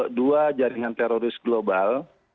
kedua jaringan teroris global